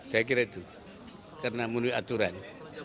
saya kira itu karena menurut aturan